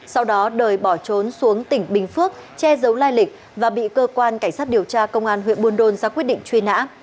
sau đó đời bỏ trốn xuống tỉnh bình phước che giấu lai lịch và bị cơ quan cảnh sát điều tra công an huyện buôn đôn ra quyết định truy nã